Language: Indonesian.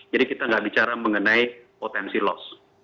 jadi kita enggak bicara mengenai potensi loss